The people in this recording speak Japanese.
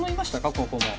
ここも。